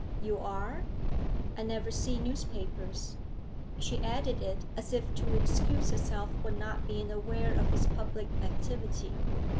'You are? I never see newspapers.' She added it as if to excuse herself for not being aware of his public activity.